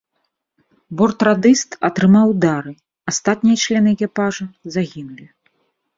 Бортрадыст атрымаў ўдары, астатнія члены экіпажа загінулі.